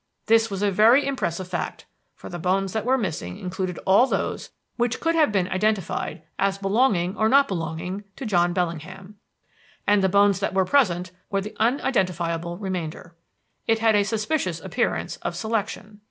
This was a very impressive fact; for the bones that were missing included all those which could have been identified as belonging or not belonging to John Bellingham; and the bones that were present were the unidentifiable remainder. "It had a suspicious appearance of selection.